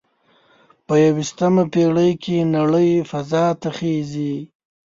په یوویشتمه پیړۍ کې نړۍ فضا ته خیږي